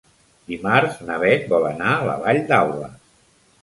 Dimarts na Bet vol anar a la Vall d'Alba.